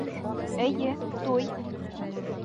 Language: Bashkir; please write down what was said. Эйе, туй!